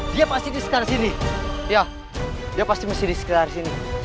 dia pasti disini dia pasti disini